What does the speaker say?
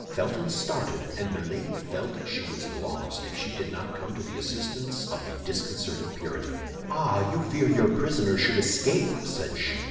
Felton started; and Milady felt she was lost if she did not come to the assistance of the disconcerted Puritan. "Ah, you fear your prisoner should escape!" said she.